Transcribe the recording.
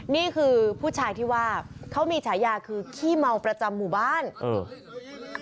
นี่คือผู้ชายที่ว่าเขามีฉายาคือขี้เมาประจำหมู่บ้านเออ